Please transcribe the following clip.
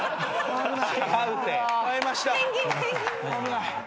危ない。